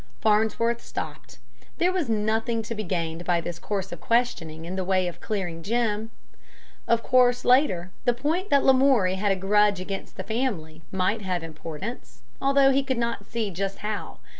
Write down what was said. Farnsworth stopped; there was nothing to be gained by this course of questioning in the way of clearing Jim. Of course later, the point that Lamoury had a grudge against the family might have importance, although he could not see just how.